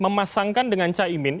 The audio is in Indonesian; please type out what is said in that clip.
memasangkan dengan caimin